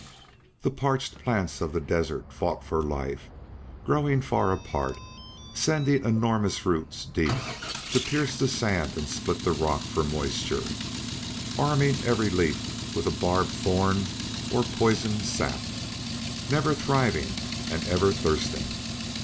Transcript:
The parched plants of the desert fought for life, growing far apart, sending enormous roots deep to pierce the sand and split the rock for moisture, arming every leaf with a barbed thorn or poisoned sap, never thriving and ever thirsting.